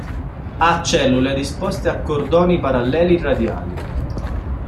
Ha cellule disposte a cordoni paralleli radiali.